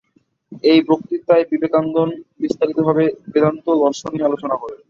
এই বক্তৃতায় বিবেকানন্দ বিস্তারিতভাবে বেদান্ত দর্শন নিয়ে আলোচনা করেন।